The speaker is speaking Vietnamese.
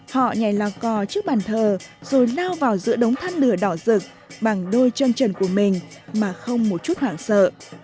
họ nhảy lò cò trước bàn thờ rồi lao vào giữa đống than lửa đỏ rực bằng đôi chân trần của mình mà không một chút hoảng sợ